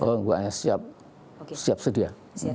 sudah menerima panggilan pak dari kepolisian